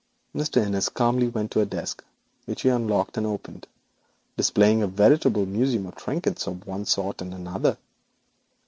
Mr. Innis calmly walked to a desk, which he unlocked and opened, displaying a veritable museum of trinkets of one sort and another.